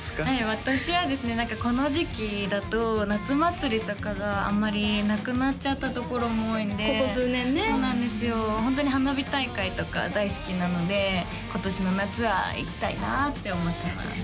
私はですね何かこの時期だと夏祭りとかがあんまりなくなっちゃったところも多いんでここ数年ねそうなんですよホントに花火大会とか大好きなので今年の夏は行きたいなって思ってます